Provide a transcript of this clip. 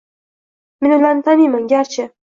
Men ularni taniyman… Garchi